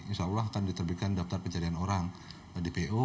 insya allah akan diterbitkan daftar pencarian orang di po